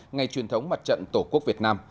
ngày truyền thống mặt trận tổ quốc việt nam